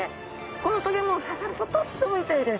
この棘も刺さるととっても痛いです。